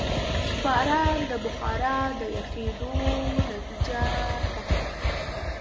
باران د بخار د یخېدو نتیجه ده.